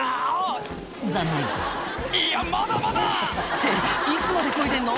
残念「いやまだまだ！」っていつまでこいでんの？